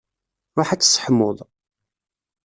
Ṛuḥ ad tseḥmuḍ.